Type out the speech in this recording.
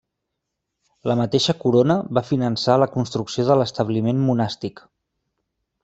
La mateixa corona va finançar la construcció de l'establiment monàstic.